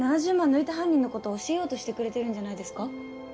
抜いた犯人の事教えようとしてくれてるんじゃないですか？